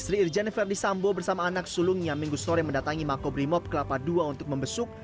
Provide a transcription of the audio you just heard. istri irjen ferdisambo bersama anak sulungnya minggu sore mendatangi makobrimob kelapa dua untuk membesuk